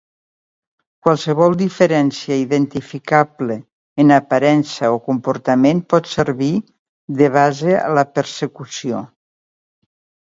Qualsevol diferència identificable en aparença o comportament pot servir de base a la persecució.